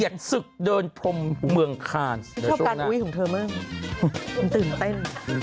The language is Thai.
ตื่นเต้น